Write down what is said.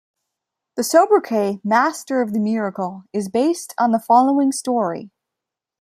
The sobriquet "Master of the Miracle" is based on the following story.